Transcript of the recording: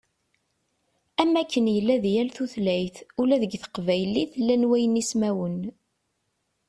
Am wakken yella di yal tutlayt, ula deg teqbaylit llan waynismawen.